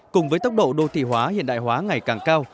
cùng với tốc độ đô thị hóa hiện đại hóa ngày càng cao